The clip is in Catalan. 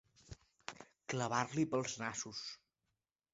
Clavar-li pels nassos.